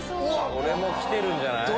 これもきてるんじゃない？